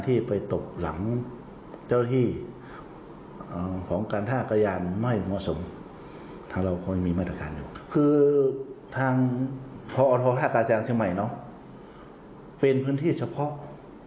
ทางทะอากาศยานเชียงใหม่เป็นพื้นที่เฉพาะ